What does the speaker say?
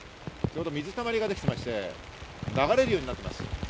水たまりができていまして、流れるようになっています。